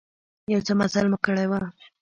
يو څه مزل مو کړى و.